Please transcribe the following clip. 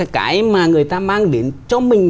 cái mà người ta mang đến cho mình